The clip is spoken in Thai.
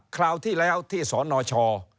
คราวที่แล้วที่สนช